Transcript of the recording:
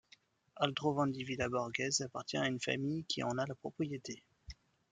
Aldrovandi Villa Borghese appartient à une famille qui en a la propriété.